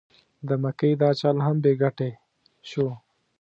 د مکۍ دا چل هم بې ګټې شو.